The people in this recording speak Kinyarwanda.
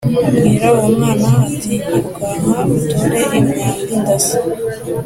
Abwira uwo mwana ati “Irukanka utore imyambi ndasa.”